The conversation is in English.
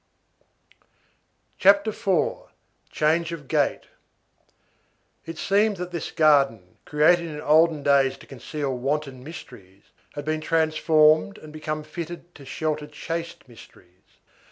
CHAPTER IV—CHANGE OF GATE It seemed that this garden, created in olden days to conceal wanton mysteries, had been transformed and become fitted to shelter chaste mysteries.